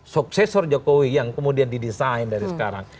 suksesor jokowi yang kemudian didesain dari sekarang